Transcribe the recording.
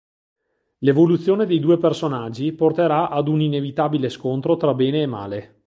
L'evoluzione dei due personaggi porterà ad un inevitabile scontro tra Bene e Male.